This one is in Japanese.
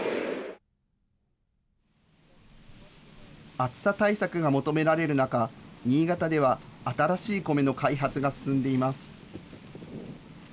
暑さ対策が求められる中、新潟では新しいコメの開発が進んでいます。